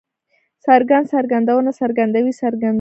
څرګند، څرګندونه، څرګندوی، څرګندونې